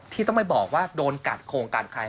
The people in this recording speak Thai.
ที่ต้องไปบอกว่าโดนกัดโครงการใคร